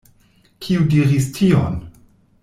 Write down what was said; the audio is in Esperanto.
Kiu diris tion?